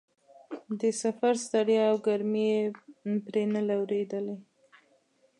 د سفر ستړیا او ګرمۍ یې پرې نه لورېدلې.